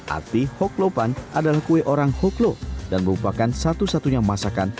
arti hoklopan adalah kue orang hoklo dan merupakan satu satunya masakan